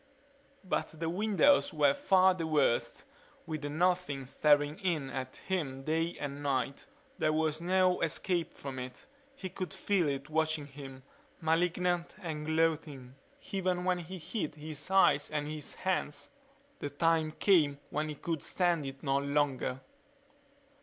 But the windows were far the worst, with the Nothing staring in at him day and night. There was no escape from it. He could feel it watching him, malignant and gloating, even when he hid his eyes in his hands. The time came when he could stand it no longer.